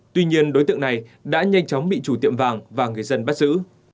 tuy nhiên đối tượng này đã nhanh chóng bị chủ tiệm vàng và người dân bắt giữ